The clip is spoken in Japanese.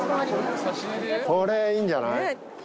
これいいんじゃない？